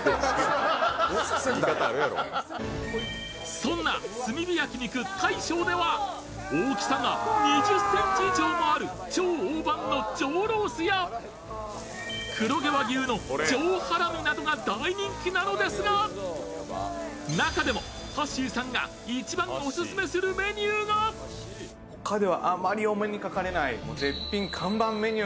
そんな炭火焼肉大将では大きさが２０ｃｍ以上にある超大判の上ロースや、黒毛和牛の上ハラミなどが大人気なのですが、中でも、はっしーさんが一番オススメするメニューがなんだこの店。